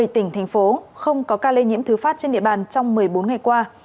một mươi tỉnh thành phố không có ca lây nhiễm thứ phát trên địa bàn trong một mươi bốn ngày qua